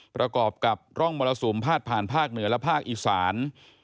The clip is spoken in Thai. ประกอบกับร่องมรสุมพาดผ่านภาคเหนือและภาคอีสาน